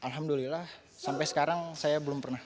alhamdulillah sampai sekarang saya belum pernah